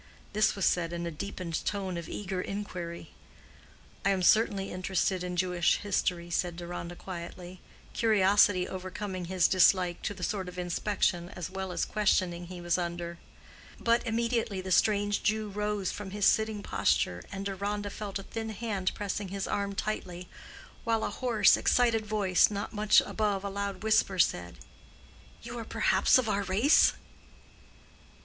This was said in a deepened tone of eager inquiry. "I am certainly interested in Jewish history," said Deronda, quietly, curiosity overcoming his dislike to the sort of inspection as well as questioning he was under. But immediately the strange Jew rose from his sitting posture, and Deronda felt a thin hand pressing his arm tightly, while a hoarse, excited voice, not much above a loud whisper, said, "You are perhaps of our race?"